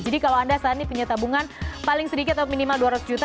jadi kalau anda saat ini punya tabungan paling sedikit atau minimal dua ratus juta